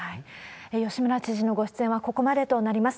吉村知事のご出演は、ここまでとなります。